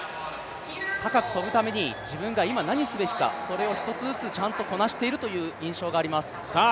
高く跳ぶために、自分が今、何をすべきかそれを１つずつちゃんとこなしているという印象があります。